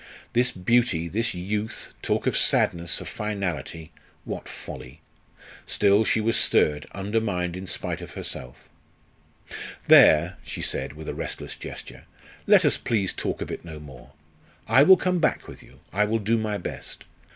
This beauty, this youth, talk of sadness, of finality! What folly! Still, she was stirred, undermined in spite of herself. "There!" she said, with a restless gesture, "let us, please, talk of it no more. I will come back with you I will do my best.